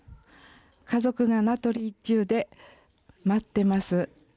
家族が名取一中で待ってます。